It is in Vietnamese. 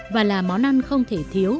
và là món ăn không thể thiếu